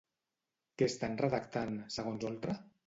Què estan redactant, segons Oltra?